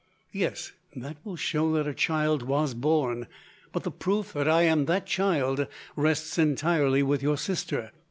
"Yes; that will show that a child was born, but the proof that I am that child rests entirely with your sister.